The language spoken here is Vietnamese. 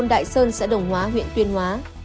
đại sơn xã đồng hóa huyện tuyên hóa